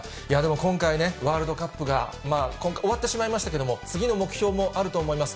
今回ね、ワールドカップが終わってしまいましたけど、次の目標もあると思います。